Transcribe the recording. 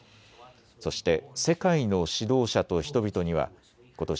そして世界の指導者と人々にはことし